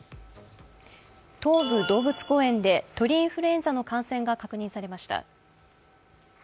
東武動物公園で鳥インフルエンザの感染が確認されました。